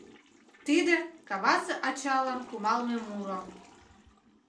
Тиде — Кавасе Ачалан кумалме муро.